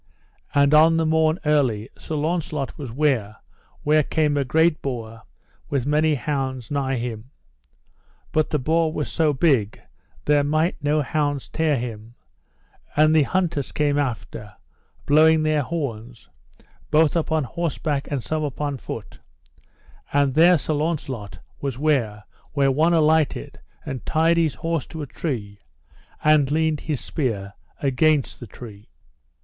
And on the morn early Sir Launcelot was ware where came a great boar with many hounds nigh him. But the boar was so big there might no hounds tear him; and the hunters came after, blowing their horns, both upon horseback and some upon foot; and then Sir Launcelot was ware where one alighted and tied his horse to a tree, and leaned his spear against the tree.